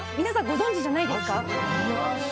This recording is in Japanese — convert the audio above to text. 皆さんご存じないですか？